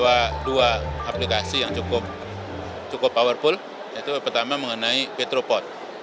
aplikasi yang cukup powerful itu pertama mengenai petropod